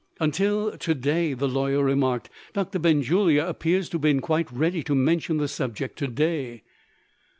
"Until to day," the lawyer remarked; "Doctor Benjulia appears to have been quite ready to mention the subject to day."